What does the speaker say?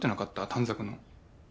短冊の。